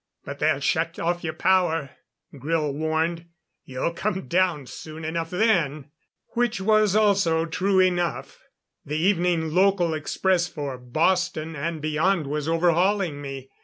"But they'll shut off your power," Grille warned. "You'll come down soon enough then." Which was also true enough. The evening local express for Boston and beyond was overhauling me.